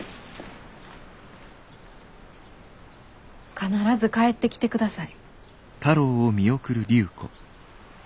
必ず帰ってきてください。